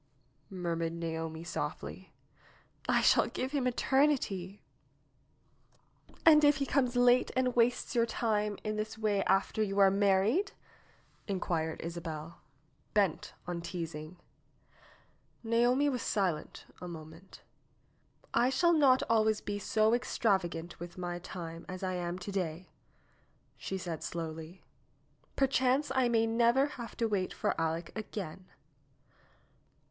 murmured Naomi softly. "I shall give him eternity !" "And if he comes late and wastes your time in this way after you are married?" inquired Isabel, bent on teasing. Naomi was silent a moment. "I shall not always be so extravagant with my time as I am to day," she said slowly. "Perchance I may never have to wait for Aleck again."